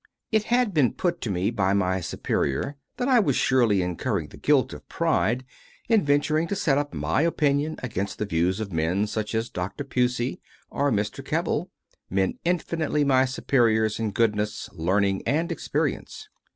It had been put to me by my Superior that I was surely incurring the guilt of pride in venturing to set up my opinion against the views of men, such as Dr. Pusey or Mr. Keble men infinitely my superiors in goodness, learning, and experience.